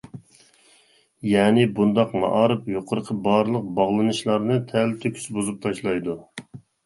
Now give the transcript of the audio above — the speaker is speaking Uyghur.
يەنى، بۇنداق مائارىپ يۇقىرىقى بارلىق باغلىنىشلارنى تەلتۆكۈس بۇزۇپ تاشلايدۇ.